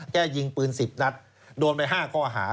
แก้ยิงปืน๑๐นัดโดนไป๕ข้อหา